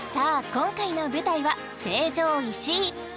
今回の舞台は成城石井